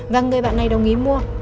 và người bạn này đồng ý mua